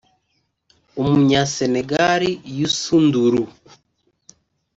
Umunya-Senegal Youssou N’Dour